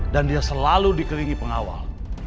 dan dia selalu dikelilingi pengawal